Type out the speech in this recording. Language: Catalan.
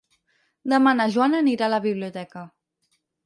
Demà na Joana anirà a la biblioteca.